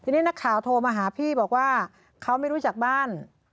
ทีนี้นักข่าวโทรมาหาพี่บอกว่าเขาไม่รู้จักบ้าน